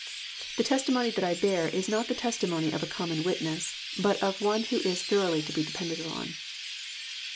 —'* The testimony that I bear is not the testimony of a common witness, but of one who is thoroughly to be depended on.'